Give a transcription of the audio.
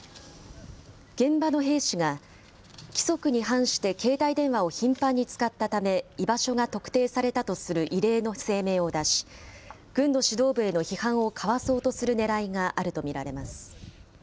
現場の兵士が規則に反して携帯電話を頻繁に使ったため、居場所が特定されたとする異例の声明を出し、軍の指導部への批判をかわそうとするねらいがあると見られます。